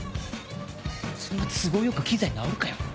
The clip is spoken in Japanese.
そんな都合良く機材直るかよ。